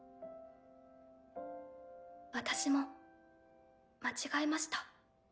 私も間違えました。